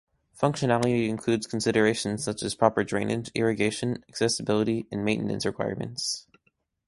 Functionality includes considerations such as proper drainage, irrigation, accessibility, and maintenance requirements.